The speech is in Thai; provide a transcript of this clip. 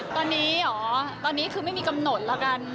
ตอนนี้เหรอตอนนี้คือไม่มีกำหนดแล้วกัน